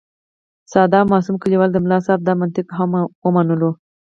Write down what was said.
ساده او معصوم کلیوال د ملا صاحب دا منطق هم ومنلو.